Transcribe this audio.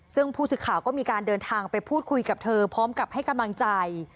ซึ่งผู้สื่อข่าวก็มีการเดินทางไปพูดคุยกับเธอพร้อมกับให้กำลังใจ